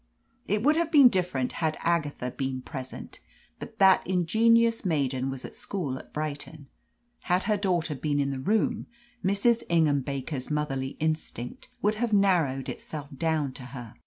It would have been different had Agatha been present, but that ingenious maiden was at school at Brighton. Had her daughter been in the room, Mrs. Ingham Baker's motherly instinct would have narrowed itself down to her.